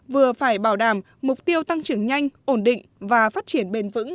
vừa phải bảo đảm mục tiêu tăng trưởng nhanh ổn định và phát triển bền vững